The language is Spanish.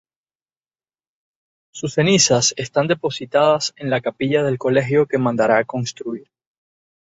Sus cenizas están depositadas en la capilla del Colegio que mandara construir.